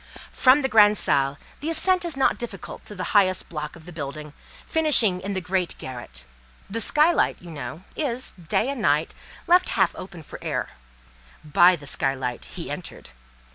From the grande salle the ascent is not difficult to the highest block of building, finishing in the great garret. The skylight, you know, is, day and night, left half open for air; by the skylight he entered.